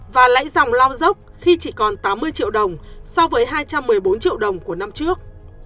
và lãi dòng lao dốc khi chỉ còn tám mươi triệu đồng so với hai trăm một mươi bốn triệu đồng của năm trước